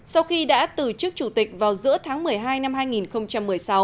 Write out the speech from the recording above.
sau khi đã từ chức chủ tịch vào giữa tháng một mươi hai năm hai nghìn một mươi sáu